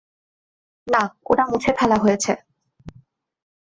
না, ওটা মুছে ফেলা হয়েছে!